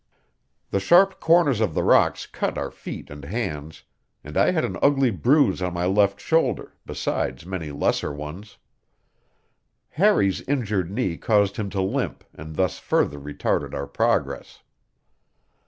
The sharp corners of the rocks cut our feet and hands, and I had an ugly bruise on my left shoulder, besides many lesser ones. Harry's injured knee caused him to limp and thus further retarded our progress.